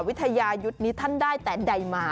วิทยายุทธ์นี้ท่านได้แต่ใดมา